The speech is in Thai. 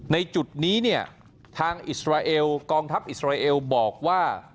ในจุดนี้เนี่ยทางอิสราเอลกองทัพอิสราเอลบอกว่า